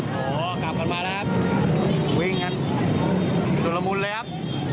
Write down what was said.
ขอกลับกันมาแล้วครับวิ่งกันชุดละมุนเลยครับ